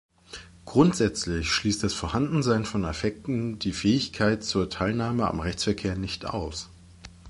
Grundsätzlich schließt das Vorhandensein von Affekten die Fähigkeit zur Teilnahme am Rechtsverkehr nicht aus.